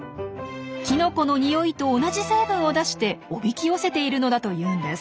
きのこの匂いと同じ成分を出しておびき寄せているのだというんです。